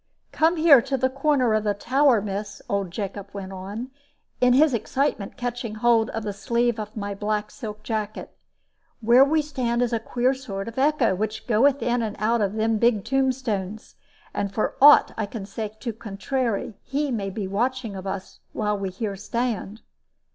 "Come here to the corner of the tower, miss," old Jacob went on, in his excitement catching hold of the sleeve of my black silk jacket. "Where we stand is a queer sort of echo, which goeth in and out of them big tombstones. And for aught I can say to contrairy, he may be a watching of us while here we stand."